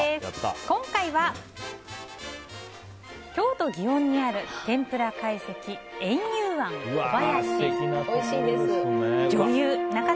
今回は、京都・祇園にある天ぷら懐石、圓融菴小林。